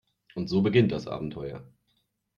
Und so beginnt das Abenteuer.